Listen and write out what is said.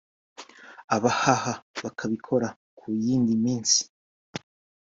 abahaha bakabikora ku yindi minsi